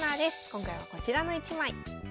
今回はこちらの一枚。